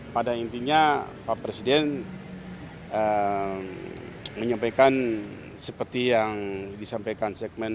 pada intinya pak presiden menyampaikan seperti yang disampaikan segmen